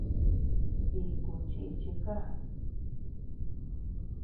Iku chichí ka.